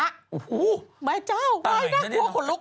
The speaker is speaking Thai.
โอ้โฮแม่เจ้าน่ากลัวขุนลุกโอ้โฮโอ้โฮแม่เจ้าน่ากลัวขุนลุก